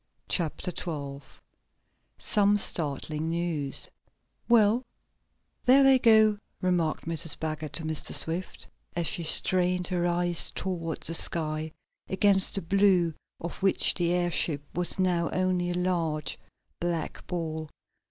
Chapter 12 Some Startling News "Well, there they go," remarked Mrs. Baggert to Mr. Swift, as she strained her eyes toward the sky, against the blue of which the airship was now only a large, black ball.